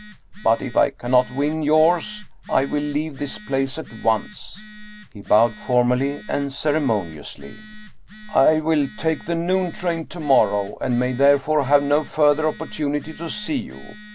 But if I cannot win yours, I will leave this place at once." He bowed for mally and ceremoniously. " I will take the noon train to morrow and may therefore have no further opportunity to see you.